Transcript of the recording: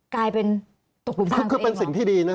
กลายเป็นตกปรุงทางตัวเองหรอคือเป็นสิ่งที่ดีนะ